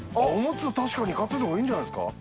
確かに買っといた方がいいんじゃないですか？